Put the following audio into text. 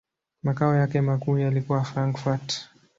Makao yake makuu yalikuwa Frankfurt.